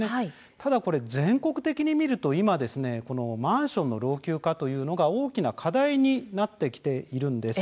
ただ全国的に見ると今、マンションの老朽化が大きな課題になっています。